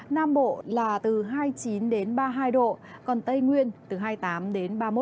nam bộ là từ hai mươi chín ba mươi hai độ còn tây nguyên từ hai mươi tám đến ba mươi một độ